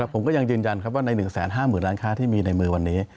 ผมก็ยังยืนยันว่าใน๑๕๐๐๐ล้านค้าที่มีในมือวันนี้